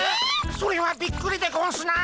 それはびっくりでゴンスなあ。